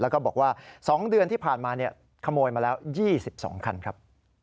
แล้วก็บอกว่า๒เดือนที่ผ่านมาขโมยมาแล้ว๒๒คันครับ